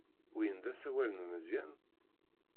Win d asawal n Meẓyan?